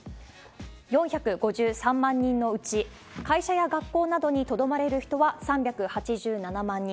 ４５３万人のうち、会社や学校などに留まれる人は３８７万人。